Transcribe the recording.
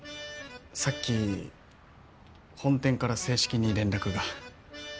さっき本店から正式に連絡が。